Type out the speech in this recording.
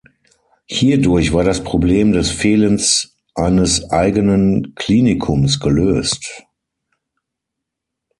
Hierdurch war das Problem des Fehlens eines eigenen Klinikums gelöst.